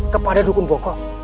kepada dukun bongkok